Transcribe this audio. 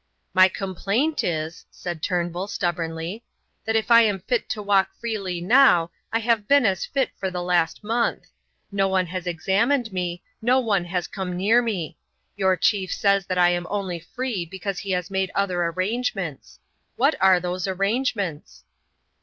"My complaint is," said Turnbull, stubbornly, "that if I am fit to walk freely now, I have been as fit for the last month. No one has examined me, no one has come near me. Your chief says that I am only free because he has made other arrangements. What are those arrangements?"